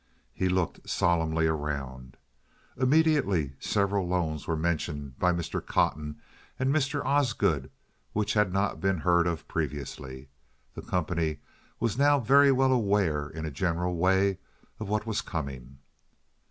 He looked solemnly around. Immediately several loans were mentioned by Mr. Cotton and Mr. Osgood which had not been heard of previously. The company was now very well aware, in a general way, of what was coming.